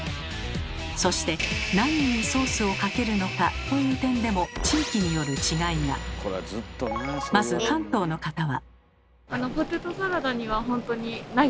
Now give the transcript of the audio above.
そしてなににソースをかけるのかという点でもまず関東の方は。